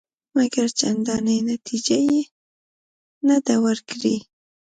مګر چندانې نتیجه یې نه ده ورکړې.